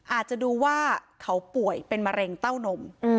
อาจจะดูว่าเขาป่วยเป็นมะเร็งเต้านม